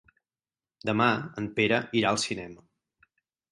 Demà en Pere irà al cinema.